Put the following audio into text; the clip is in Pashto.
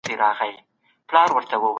ستر ادب ازاد چاپېریال ته اړتیا لري.